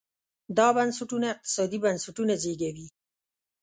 دا بنسټونه اقتصادي بنسټونه زېږوي.